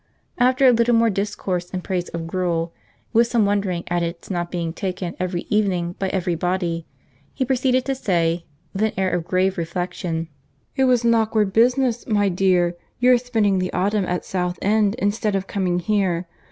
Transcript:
After a little more discourse in praise of gruel, with some wondering at its not being taken every evening by every body, he proceeded to say, with an air of grave reflection, "It was an awkward business, my dear, your spending the autumn at South End instead of coming here.